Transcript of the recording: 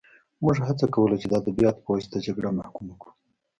موږ هڅه کوله چې د ادبیاتو په واسطه جګړه محکومه کړو